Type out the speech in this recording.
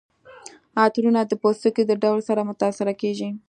عطرونه د پوستکي د ډول سره متاثره کیږي.